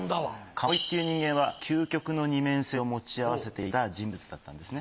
鴨居っていう人間は究極の二面性を持ち合わせていた人物だったんですね。